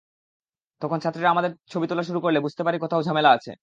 তখন ছাত্রীরা আমাদের ছবি তোলা শুরু করলে বুঝতে পারি কোথাও ঝামেলা আছে।